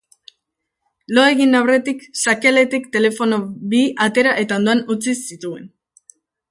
Lo egin aurretik, sakeletik telefono bi atera eta ondoan utzi zituen.